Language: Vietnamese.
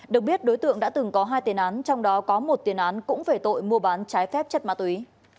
được biết đối tượng đã từng có hai tiền án trong đó có một tiền án cũng về tội mua bán trái phép chất ma túy